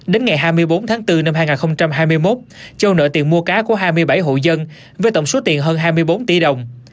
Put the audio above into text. đến ngày hai mươi bốn tháng bốn năm hai nghìn hai mươi một châu nợ tiền mua cá của hai mươi bảy hộ dân với tổng số tiền hơn hai mươi bốn tỷ đồng